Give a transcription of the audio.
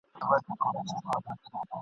یوه ورځ د یوه ښار پر لور روان سوه ..